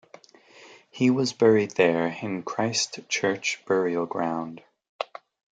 He was buried there in Christ Church Burial Ground.